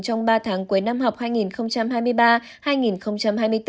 trong ba tháng cuối năm học hai nghìn hai mươi ba hai nghìn hai mươi bốn